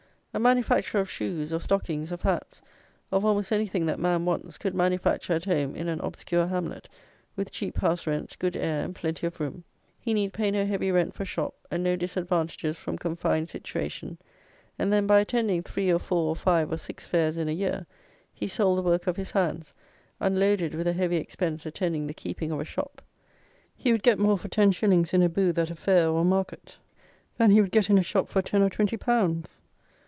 A manufacturer of shoes, of stockings, of hats; of almost any thing that man wants, could manufacture at home in an obscure hamlet, with cheap house rent, good air, and plenty of room. He need pay no heavy rent for shop; and no disadvantages from confined situation; and, then, by attending three or four or five or six fairs in a year, he sold the work of his hands, unloaded with a heavy expense attending the keeping of a shop. He would get more for ten shillings in a booth at a fair or market, than he would get in a shop for ten or twenty pounds.